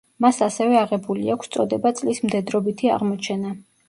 მას ასევე აღებული აქვს წოდება „წლის მდედრობითი აღმოჩენა“.